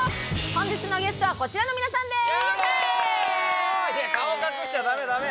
本日のゲストはこちらの皆さんです！